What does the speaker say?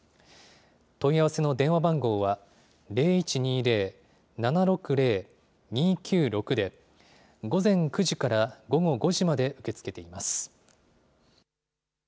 問い合わせの電話番号は、０１２０ー７６０ー２９６で、午前９時から午後５時まで受け付けています。